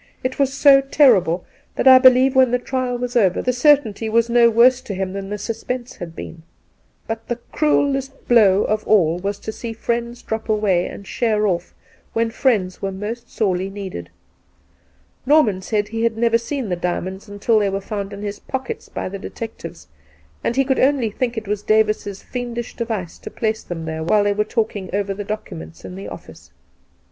It was so terrible that I believe when the trial was over the cer tainty was no worse to him than the suspense had been. But the cruellest blow of all was to see friends drop away and sheer off when friends were most sorely needed. Norman said he had never seen the diamonds until they were found in his pockets by the detectives, and he could only think it was Davis's fiendish device to place them there while they were talking over the documents in the office.